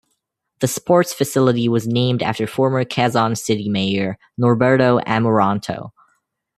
The sports facility was named after former Quezon City Mayor Norberto Amoranto.